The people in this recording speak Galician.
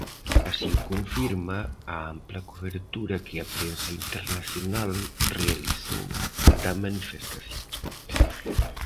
Así o confirma a ampla cobertura que a prensa internacional realizou da manifestación.